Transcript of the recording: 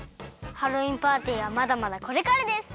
ハロウィーンパーティーはまだまだこれからです！